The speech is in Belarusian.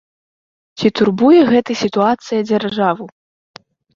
Ці турбуе гэта сітуацыя дзяржаву?